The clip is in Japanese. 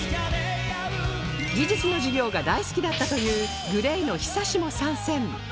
技術の授業が大好きだったという ＧＬＡＹ の ＨＩＳＡＳＨＩ も参戦！